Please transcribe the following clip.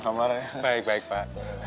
kamarnya baik baik pak